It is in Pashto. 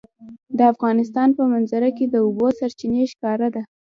د افغانستان په منظره کې د اوبو سرچینې ښکاره ده.